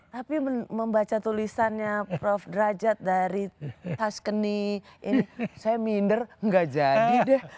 tapi membaca tulisannya prof derajat dari taskenny ini saya minder nggak jadi deh